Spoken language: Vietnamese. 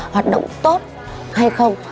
hoạt động tốt hay không